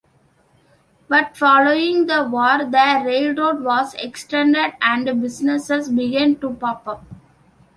But, following the war, the railroad was extended and businesses began to pop up.